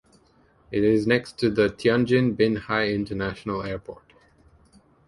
It is next to the Tianjin Binhai International Airport.